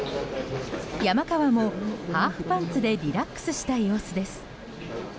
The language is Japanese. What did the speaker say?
山川もハーフパンツでリラックスした様子です。